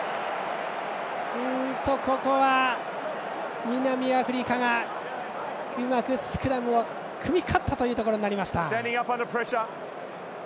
ここは南アフリカがうまくスクラムを組み勝ったというところになりました。